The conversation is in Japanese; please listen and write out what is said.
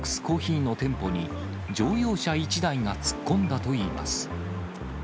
コーヒーの店舗に、乗用車１台が突っ込んだといいます。